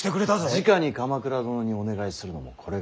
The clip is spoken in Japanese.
じかに鎌倉殿にお願いするのもこれが最後だ。